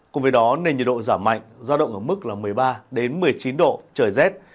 cùng với đó nền nhiệt độ giảm mạnh giao động ở mức một mươi ba một mươi chín độ trời rét